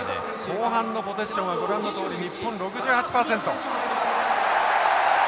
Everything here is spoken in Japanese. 後半のポゼッションはご覧のとおり日本６８％。